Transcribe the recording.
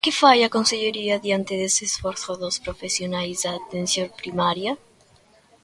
¿E que fai a Consellería diante dese esforzo dos profesionais da atención primaria?